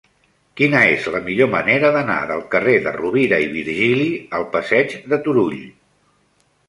Quina és la millor manera d'anar del carrer de Rovira i Virgili al passeig de Turull?